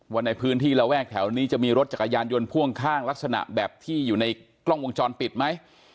ว่าในพื้นที่ระแวกแถวนี้จะมีรถจักรยานยนต์พ่วงข้างลักษณะแบบที่อยู่ในกล้องวงจรปิดไหม